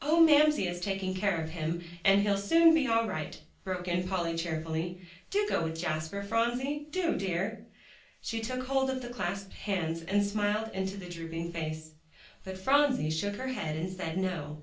"Oh! Mamsie is taking care of him, and he'll soon be all right," broke in Polly cheerily. "Do go with Jasper, Phronsie, do, dear." She took hold of the clasped hands, and smiled up into the drooping face. But Phronsie shook her head and said "No."